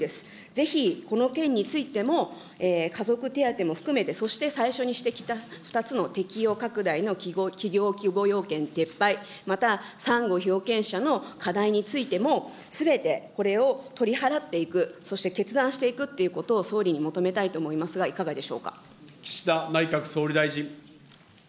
ぜひこの件についても、家族手当も含めて、そして最初に指摘した２つの適用拡大の企業規模要件撤廃、また３号被保険者の課題についても、すべてこれを取り払っていく、そして決断していくっていうことを総理に求めたいと思いますが、岸田内閣総理大臣。